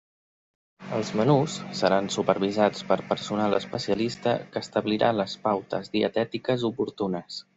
Els menús seran supervisats per personal especialista que establirà les pautes dietètiques oportunes.